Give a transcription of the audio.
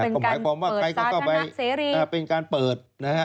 เหมือนเป็นการเปิดสาธารณะเป็นการเปิด